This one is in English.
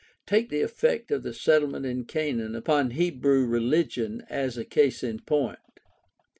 Take the effect of the settlement in Canaan upon Hebrew religion as a case in point.